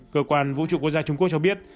cơ quan vũ trụ quốc gia trung quốc cho biết